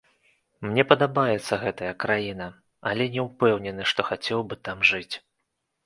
Мне падабаецца гэтая краіна, але не ўпэўнены, што хацеў бы там жыць.